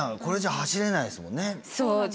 これじゃ走れないですもんね。